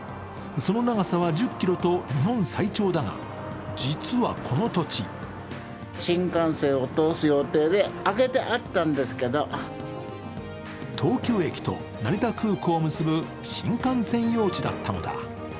その長さは１０ｋｍと日本最長だが、実はこの土地東京駅と成田空港を結ぶ新幹線用地だったのだ。